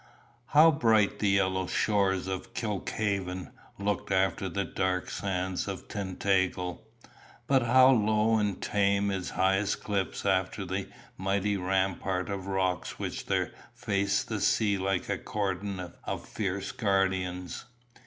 How bright the yellow shores of Kilkhaven looked after the dark sands of Tintagel! But how low and tame its highest cliffs after the mighty rampart of rocks which there face the sea like a cordon of fierce guardians!